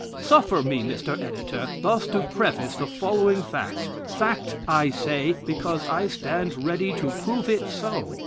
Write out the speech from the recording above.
"Suffer me, Mr. Editor, thus to preface the following fact; fact, I say, because I stand ready to prove it so.